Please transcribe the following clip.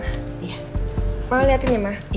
biar lebih cerah ya